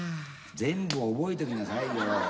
全部を覚えときなさいよ。